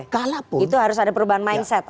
kalap itu harus ada perubahan mindset